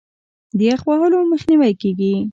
د یخ وهلو مخنیوی کیږي.